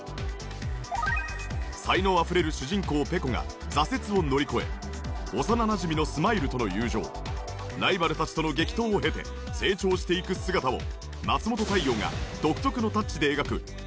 才能あふれる主人公ペコが挫折を乗り越え幼なじみのスマイルとの友情ライバルたちとの激闘を経て成長していく姿を松本大洋が。